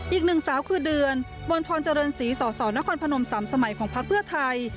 อีกหนึ่งสาวคือเดือนมณฑรเจริญศรีสสนครพนม๓สมัยของพักเพื่อไทย